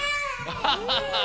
アハハハ！